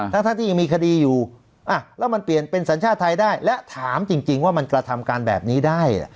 ทั้งที่ยังมีคดีอยู่แล้วมันเปลี่ยนเป็นสัญชาติไทยได้และถามจริงว่ามันกระทำการแบบนี้ได้